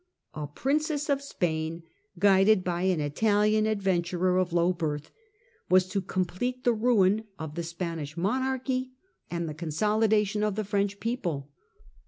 A Princess of Spain, guided by an Italian adventurer of low birth, was to complete the ruin of the Spanish monarchy and the consolidation of the French people.